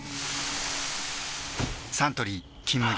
サントリー「金麦」